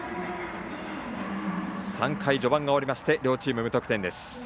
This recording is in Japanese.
３回序盤が終わり両チーム無得点です。